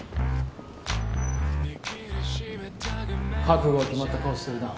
覚悟が決まった顔してるな。